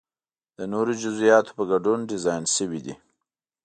د نورو جزئیاتو په ګډون ډیزاین شوی دی.